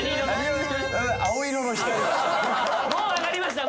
もう分かりました